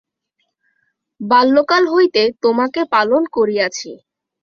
বাল্যকাল হইতে তােমাকে পালন করিয়াছি।